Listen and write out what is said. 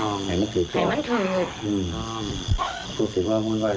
น้องไปนอนกับใครน้องไปนอนกับใครตรวจหมดแล้วหมอก็บอกแล้ว